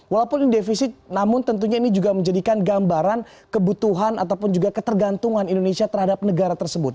walaupun ini defisit namun tentunya ini juga menjadikan gambaran kebutuhan ataupun juga ketergantungan indonesia terhadap negara tersebut